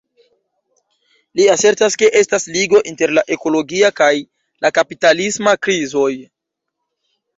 Li asertas ke estas ligo inter la ekologia kaj la kapitalisma krizoj.